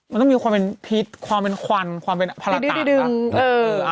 มันต้องมีความเป็นพิษความเป็นควันความเป็นภาระตะ